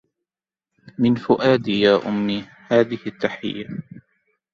من فؤادي يا أم هذي التحية